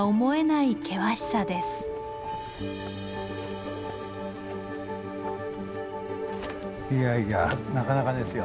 いやいやなかなかですよ。